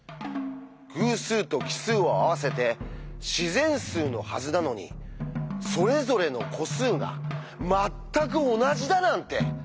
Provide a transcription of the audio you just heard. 偶数と奇数を合わせて自然数のはずなのにそれぞれの個数がまったく同じだなんて！